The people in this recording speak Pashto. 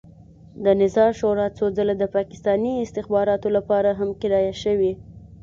د نظار شورا څو ځله د پاکستاني استخباراتو لپاره هم کرایه شوې.